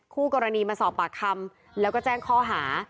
คู่กรณีมาสอบปากคำแล้วก็แจ้งข้อหา